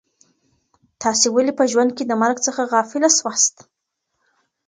تاسي ولي په ژوند کي د مرګ څخه غافله سواست؟